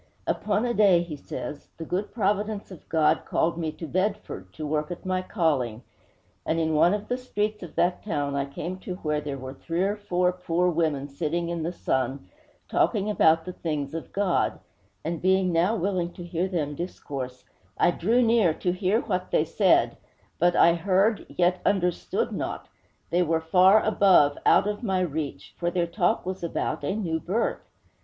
'Upon a day,' he says, 'the good providence of God called me to Bedford, to work at my calling; and in one of the streets of that town I came to where there were three or four poor women sitting in the sun talking about the things of God; and being now willing to hear them discourse, I drew near to hear what they said; but I heard, yet understood not; they were far above, out of my reach; for their talk was about a new birth!'